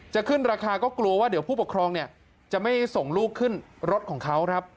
จะขึ้นราคาก็กลัวว่าเดี๋ยวผู้ปกครองเนี่ยจะไม่ส่งลูกขึ้นรถของเขาครับ